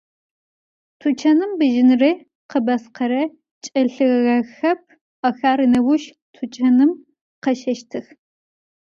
Tuçanım bjınre khebaskhere çç'elhığexep, axer nêuş tuçanım khaşeştıx.